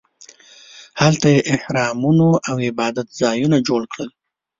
هلته یې اهرامونو او عبادت ځایونه جوړ کړل.